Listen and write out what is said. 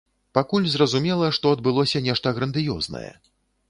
Пакуль зразумела, што адбылося нешта грандыёзнае.